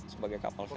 sebagai kapal veri